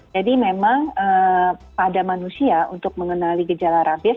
jadi memang pada manusia untuk mengenali gejala rabies